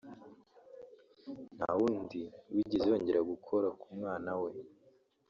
nta wundi wigeze yongera gukora ku mwana we